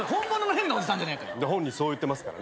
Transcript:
本人そう言ってますからね。